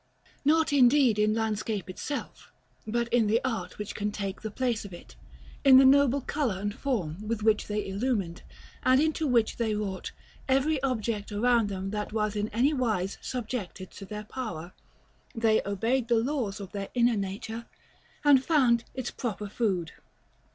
Not, indeed, in landscape itself, but in the art which can take the place of it, in the noble color and form with which they illumined, and into which they wrought, every object around them that was in any wise subjected to their power, they obeyed the laws of their inner nature, and found its proper food.